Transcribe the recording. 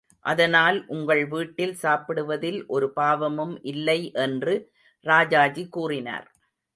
அதனால் உங்கள் வீட்டில் சாப்பிடுவதில் ஒரு பாவமும் இல்லை என்று ராஜாஜி கூறினார்.